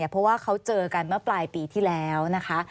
เพราะว่าเขาเจอกันเมื่อปลายปีที่แล้วนะคะ